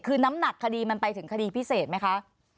คือน้ำหนักคดีมันไปถึงคดีพิเศษไหมคะ